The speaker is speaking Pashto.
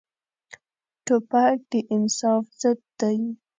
توپک د انصاف ضد دی.